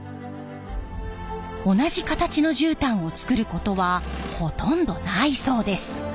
同じ形のじゅうたんを作ることはほとんどないそうです。